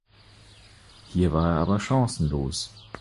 Hier war er aber chancenlos.